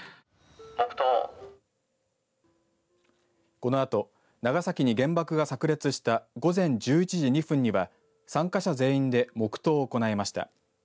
このあと長崎に原爆がさく裂した午前１１時２分には参加者全員で黙とうを行いました。